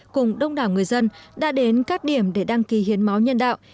cùng đông đảo người dân đã đến các điểm để đăng ký hiến máu nhân đạo